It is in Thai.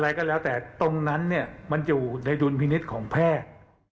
อะไรก็แล้วแต่ตรงนั้นเนี่ยมันอยู่ในดุลพินิษฐ์ของแพทย์